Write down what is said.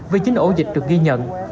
vì chính ổ dịch được ghi nhận